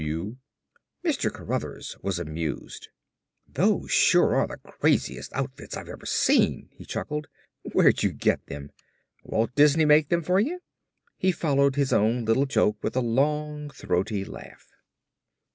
F.W." Mr. Cruthers was amused. "Those sure are the craziest outfits I've ever seen," he chuckled. "Where'd you get them? Walt Disney make them for you?" He followed his own little joke with a long throaty laugh.